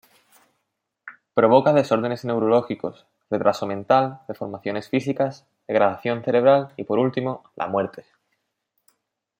Provoca desórdenes neurológicos, retraso mental, deformaciones físicas, degradación cerebral y por último, la muerte.